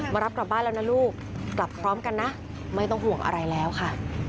รับกลับบ้านแล้วนะลูกกลับพร้อมกันนะไม่ต้องห่วงอะไรแล้วค่ะ